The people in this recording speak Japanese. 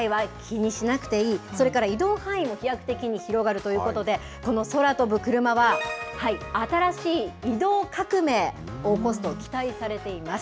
ただ、この交通渋滞は気にしなくていい、それから移動範囲も飛躍的に広がるということで、この空飛ぶクルマは新しい移動革命を起こすと期待されています。